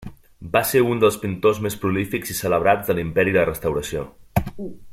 Va ser un dels pintors més prolífics i celebrats de l'Imperi i la Restauració.